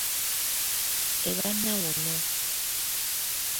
Eba nawunu.